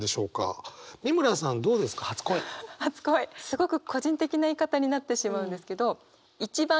すごく個人的な言い方になってしまうんですけどうわ